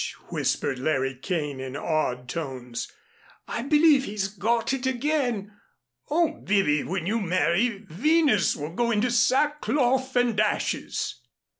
whispered Larry Kane, in awed tones, "I believe he's got it again. Oh, Bibby, when you marry, Venus will go into sackcloth and ashes!"